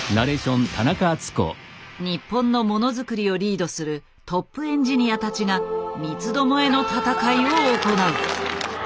日本の物作りをリードするトップエンジニアたちが三つどもえの戦いを行う。